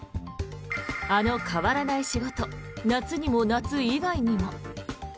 「あの変わらない仕事夏にも夏以外にも」。